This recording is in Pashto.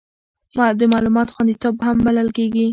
د معلوماتو خوندیتوب مهم بلل کېږي.